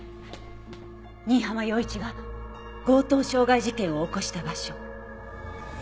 新浜陽一が強盗傷害事件を起こした場所。